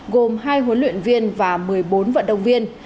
gồm hai huấn luyện viên và một mươi bốn vận động viên